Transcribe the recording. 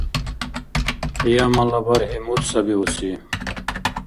Кьиямала бархӀи мурт сабиуси?